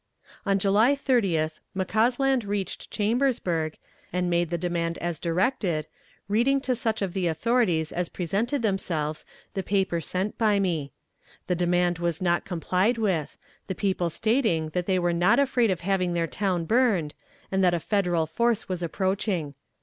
"On July 30th McCausland reached Chambersburg, and made the demand as directed, reading to such of the authorities as presented themselves the paper sent by me. The demand was not complied with, the people stating that they were not afraid of having their town burned, and that a Federal force was approaching.